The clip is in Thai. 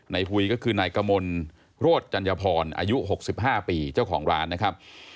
ในหุ่ยก็คือนายกมลโรดจันยพรอายุหกสิบห้าปีเจ้าของร้านนะครับ